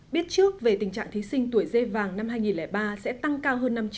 biết trước về tình trạng thí sinh tuổi dê vàng năm hai nghìn ba